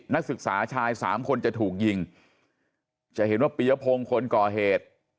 นักศึกษาชายสามคนจะถูกยิงจะเห็นว่าปียพงศ์คนก่อเหตุ